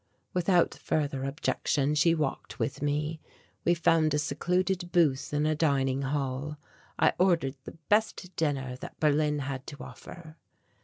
Without further objection she walked with me. We found a secluded booth in a dining hall. I ordered the best dinner that Berlin had to offer.